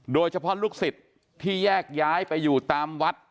โดยเฉพาะลูกศิษย์ที่แยกย้ายไปอยู่ตามวัด